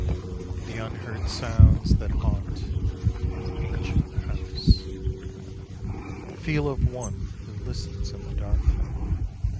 The unheard sounds that haunt an ancient house :— The feel of one who listens in the dark.